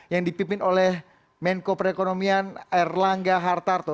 yang dipimpin oleh menko perekonomian erlangga hartarto